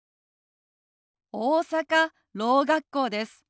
大阪ろう学校です。